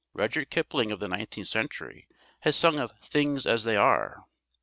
Rudyard Kipling of the nineteenth century has sung of "things as they are."